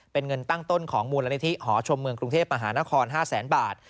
เป็นเงินตั้งต้นของมูลนิธิหอชมเมืองกรุงเทพมหานคร๕แสนบาท